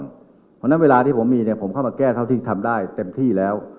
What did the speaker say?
เพราะฉะนั้นเวลาที่ผมมีเนี่ยผมเข้ามาแก้เท่าที่ทำได้เต็มที่แล้ว